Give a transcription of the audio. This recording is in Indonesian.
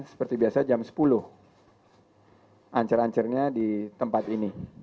seperti biasa jam sepuluh ancar ancarnya di tempat ini